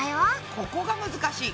ここが難しい。